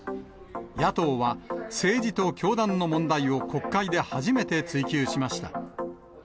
野党は、政治と教団の問題を国会で初めて追及しました。